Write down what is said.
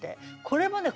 これもね